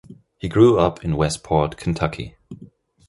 He grew up in Westport, Kentucky.